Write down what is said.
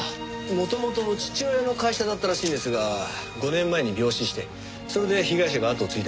元々父親の会社だったらしいんですが５年前に病死してそれで被害者が跡を継いだようです。